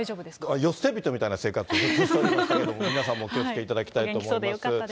世捨て人みたいな生活をずっとしてましたけれども、皆さんもお気をつけいただきたいと思います。